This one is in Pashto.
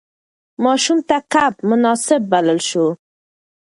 ماښام ته کب مناسب بلل شو.